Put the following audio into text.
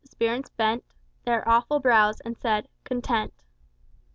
The spirits bent Their awful brows, and said, 'Content!